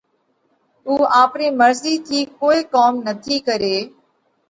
اُو آپرِي مرضِي ٿِي ڪوئي ڪوم نٿِي ڪري